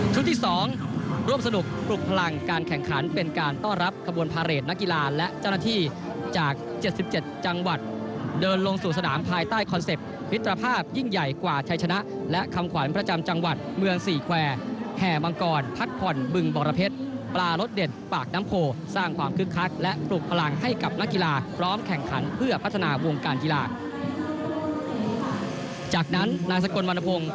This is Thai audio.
ชุดที่๒ร่วมสนุกปลุกพลังการแข่งขันเป็นการต้อนรับกระบวนพาเรทนักกีฬาและเจ้าหน้าที่จาก๗๗จังหวัดเดินลงสู่สนามภายใต้คอนเซ็ปต์วิทยาภาพยิ่งใหญ่กว่าชัยชนะและคำขวัญประจำจังหวัดเมืองสี่แควร์แห่มังกรพักผ่อนบึงบรพเพชรปลารสเด็ดปากน้ำโพสร้างความคึกคักและปลุกพลัง